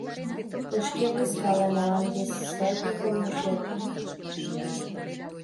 — Тый шке вискале, молан десятникым вучет?